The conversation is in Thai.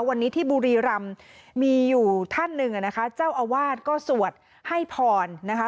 วันนี้ที่บุรีรำมีอยู่ท่านหนึ่งนะคะเจ้าอาวาสก็สวดให้พรนะคะ